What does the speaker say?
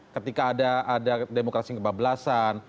ketika ada demokrasi kebablasan